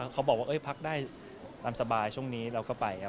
เขาบอกว่าพักได้ตามสบายช่วงนี้เราก็ไปครับ